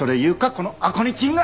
このアコニチンが！